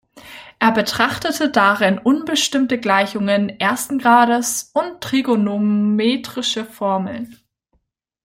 Er betrachtete darin unbestimmte Gleichungen ersten Grades und trigonometrische Formeln.